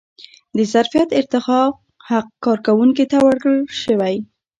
د ظرفیت ارتقا حق کارکوونکي ته ورکړل شوی.